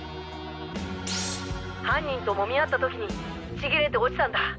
犯人ともみ合った時にちぎれて落ちたんだ。